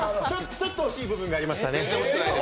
ちょっと惜しい部分がありましたね。